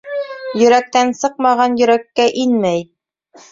Йөрәктән сыҡмаған йөрәккә инмәй.